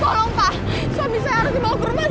tolong pak suami saya harus dibawa ke rumah sakit